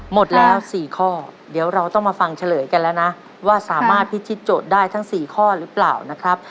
หมดแล้ว๔ข้อเดี๋ยวเราต้องมาฟังเฉลยกันแล้วนะว่าสามารถพิธีโจทย์ได้ทั้ง๔ข้อหรือเปล่านะครับ